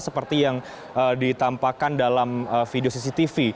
seperti yang ditampakkan dalam video cctv